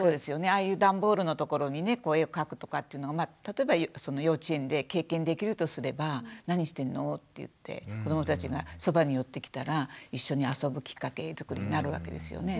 ああいう段ボールのところにね絵を描くとかっていうのが例えば幼稚園で経験できるとすれば「何してるの？」って言って子どもたちがそばに寄ってきたら一緒に遊ぶきっかけづくりになるわけですよね。